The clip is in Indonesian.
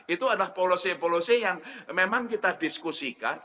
itu adalah polosi polosi yang memang kita diskusikan